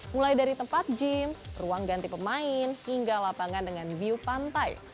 mulai dari tempat gym ruang ganti pemain hingga lapangan dengan view pantai